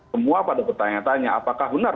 semua pada bertanya tanya apakah benar